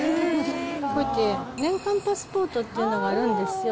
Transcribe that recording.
こうやって、年間パスポートっていうのがあるんですよ。